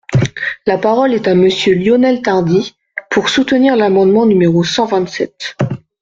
La parole est à Monsieur Lionel Tardy, pour soutenir l’amendement numéro cent vingt-sept.